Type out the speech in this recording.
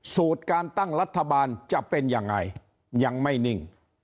สูตรการตั้งรัฐบาลจะเป็นยังไงยังไม่นิ่ง